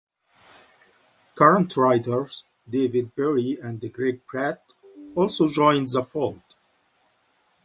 Current writers David Perri and Greg Pratt also joined the fold.